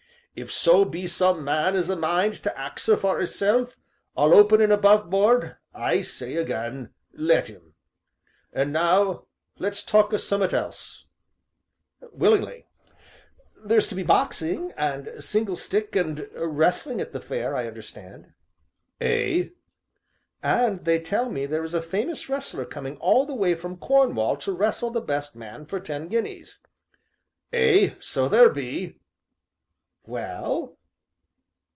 If so be some man 'as a mind to ax 'er for 'isself, all open an' aboveboard, I say again let 'im. And now, let's talk o' summat else." "Willingly. There's to be boxing, and single stick, and wrestling at the Fair, I understand." "Ay." "And, they tell me, there is a famous wrestler coming all the way from Cornwall to wrestle the best man for ten guineas." "Ay, so there be." "Well?"